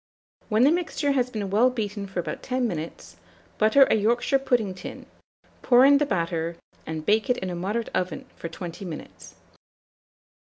When the mixture has been well beaten for about 10 minutes, butter a Yorkshire pudding tin, pour in the batter, and bake it in a moderate oven for 20 minutes.